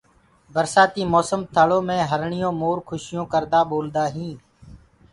برسآتي موسم ٿݪو مي هرڻي مور کُشيون ڪردآ ٻولدآئين